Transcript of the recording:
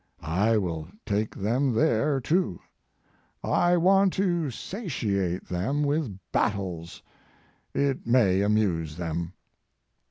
I will take them there too. I want to satiate them with battles it may amuse them."